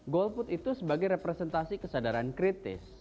golput itu sebagai representasi kesadaran kritis